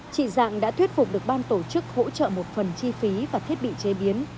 chị dạng đã thuyết phục được ban tổ chức hỗ trợ một phần chi phí và thiết bị chế biến